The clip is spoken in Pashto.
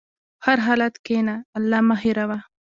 په هر حالت کښېنه، الله مه هېروه.